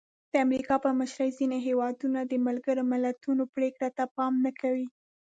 د امریکا په مشرۍ ځینې هېوادونه د ملګرو ملتونو پرېکړو ته پام نه کوي.